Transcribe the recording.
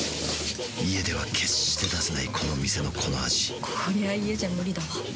家では決して出せないこの店のこの味こりゃ家じゃムリだわ。